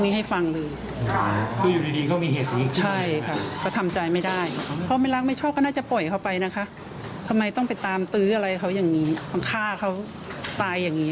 น้องยุ้ยเขาไม่เคยเล่าเรื่องพวกนี้ให้ฟังเลย